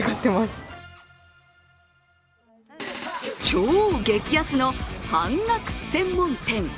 超激安の半額専門店。